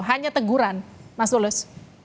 hanya teguran mas tulus